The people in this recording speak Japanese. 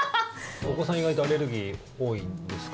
お子さん意外とアレルギー多いんですか？